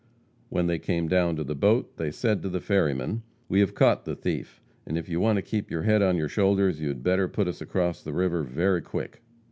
When they came down to the boat, they said to the ferryman: "We have caught the thief, and if you want to keep your head on your shoulders you had better put us across the river very quick."